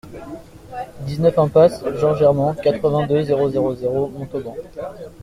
dix-neuf impasse Georges Herment, quatre-vingt-deux, zéro zéro zéro, Montauban